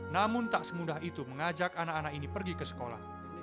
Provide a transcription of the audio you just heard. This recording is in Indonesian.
namun tak semudah itu mengajak anak anak ini pergi ke sekolah